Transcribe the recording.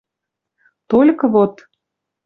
Толькы вот